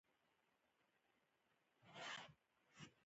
له دې پرته تاسې هېڅکله نه شئ شتمن کېدلای.